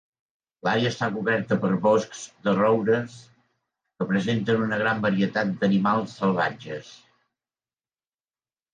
L'àrea està coberta per boscs de roures, que presenten una gran varietat d'animals salvatges.